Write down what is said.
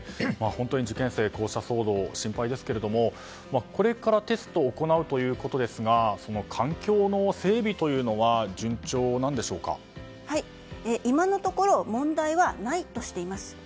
本当に受験生、こうした騒動心配ですけどもこれからテストを行うということですが環境の整備というのは今のところ問題はないとしています。